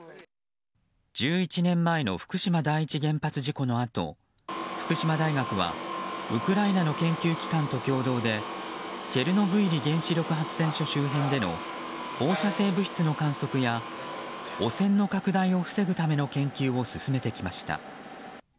１１年前の福島第一原発事故のあと福島大学はウクライナの研究機関と共同でチェルノブイリ原子力発電所周辺での放射性物質の観測や汚染の拡大を防ぐための研究を進めてきました。